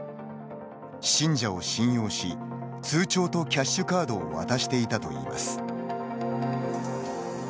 信者を信用し通帳とキャッシュカードを渡していたといいます。